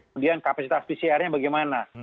kemudian kapasitas pcr nya bagaimana